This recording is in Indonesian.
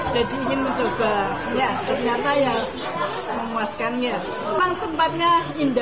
jadi ingin mencoba ya ternyata ya